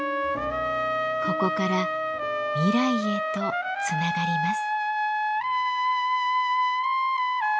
ここから未来へとつながります。